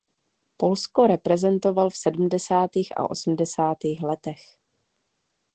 Polsko reprezentoval v sedmdesátých a osmdesátých letech.